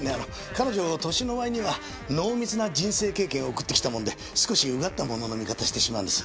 彼女年の割には濃密な人生経験を送ってきたもので少しうがった物の見方してしまうんです。